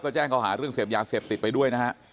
ก็แจ้งเขาหาเรื่องเสพยาเสพติดไปด้วยนะฮะ